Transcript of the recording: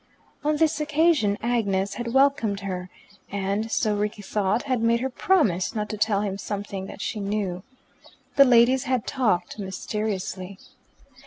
On this occasion Agnes had welcomed her, and so Rickie thought had made her promise not to tell him something that she knew. The ladies had talked mysteriously.